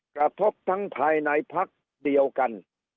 กระทบทั้งภายในพักเดียวกัน